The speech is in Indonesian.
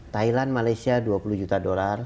thailand malaysia dua puluh juta dolar